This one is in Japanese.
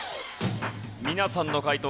皆さんの解答